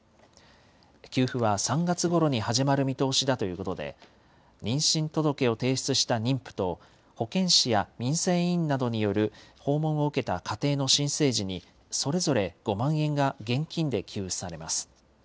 給付は３月ごろに始まる見通しだということで、妊娠届を提出した妊婦と、保健師や民生委員などによる訪問を受けた家庭の新生児に、それぞれ５万円が現金で給付されます。